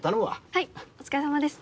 はいお疲れさまです。